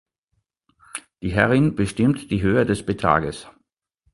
Die Herrin bestimmt die Höhe des Betrages.